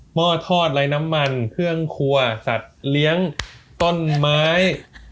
ห้อทอดไร้น้ำมันเครื่องครัวสัตว์เลี้ยงต้นไม้